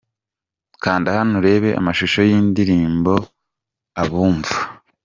Kanda hano urebe amashusho y'iyi ndirimbo 'Abumva'.